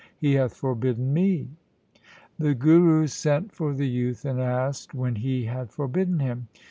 He hath forbidden me.' The Guru sent for the youth and asked when he had forbidden him.